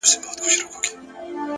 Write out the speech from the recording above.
او ته خبر د کوم غریب د کور له حاله یې،